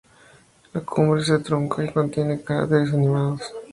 La cumbre se trunca y contiene cráteres anidados.